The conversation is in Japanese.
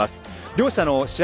両者の試合